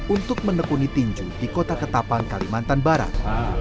untuk menekuni tinju di kota ketapang kalimantan barat